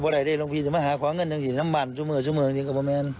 พอได้ได้หลวงพี่จะมาหาของเงินหนึ่งจริงจริงน้ำบันจุเมื่อจุเมื่อจริงจริงกับผมแม่น